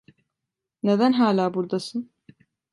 Neden hâlâ buradasın?